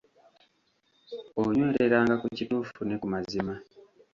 Onywereranga ku kituufu ne ku mazima.